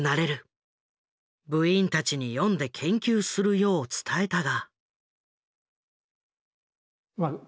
部員たちに読んで研究するよう伝えたが。